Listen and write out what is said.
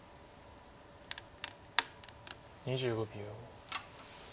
２５秒。